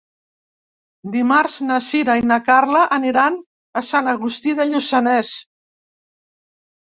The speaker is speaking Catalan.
Dimarts na Sira i na Carla aniran a Sant Agustí de Lluçanès.